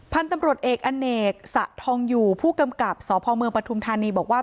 พันธุ์ตำรวจเอกอเนกสะทองอยู่ผู้กำกับสพเมืองปฐุมธานีบอกว่า